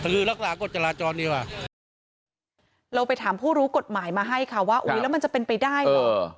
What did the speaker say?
เราไปถามผู้รู้กฎหมายมาให้ค่ะว่าอุ๊ยแล้วมันจะเป็นไปได้เหรอ